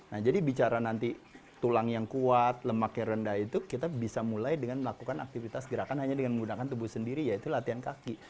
nah jadi bicara nanti tulang yang kuat lemak yang rendah itu kita bisa mulai dengan melakukan aktivitas gerakan hanya dengan menggunakan tubuh sendiri yaitu latihan kaki